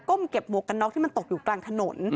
เก็บหมวกกันน็อกที่มันตกอยู่กลางถนน